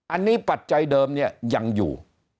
อันนี้ปัจจัยเดิมเนี่ยยังอยู่